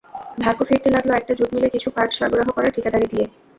ভাগ্য ফিরতে লাগল একটা জুট মিলে কিছু পার্টস সরবরাহ করার ঠিকাদারি দিয়ে।